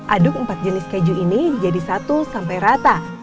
aduk empat jenis keju ini jadi satu sampai rata